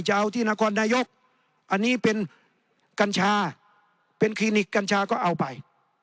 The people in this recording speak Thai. จะเอาที่นครนายกอันนี้เป็นกัญชาเป็นคลินิกกัญชาก็เอาไป